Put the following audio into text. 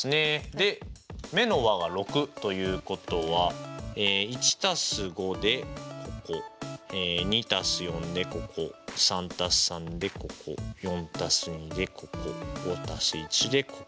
で目の和が６ということは１＋５でここ２＋４でここ３＋３でここ４＋２でここ５＋１でここ。